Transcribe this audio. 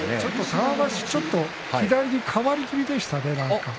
玉鷲はちょっと左に変わり気味でしたね。